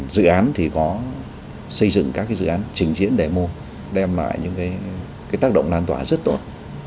dự án thì có xây dựng các dự án trình diễn để mô đem lại những tác động lan tỏa rất tốt